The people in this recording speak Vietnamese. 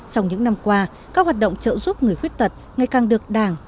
trong những năm qua các hoạt động trợ giúp người khuyết tật ngày càng được đảng